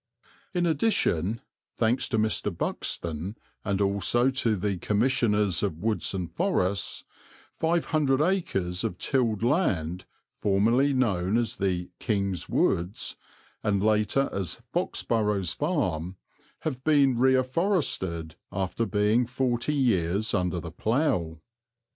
In addition, thanks to Mr. Buxton and also to the Commissioners of Woods and Forests, five hundred acres of tilled land, formerly known as the "King's Woods" and later as Fox Burrows Farm, have been reafforested after being forty years under the plough.